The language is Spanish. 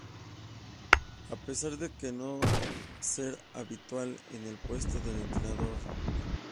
A pesar de que no ser habitual en el puesto de entrenador.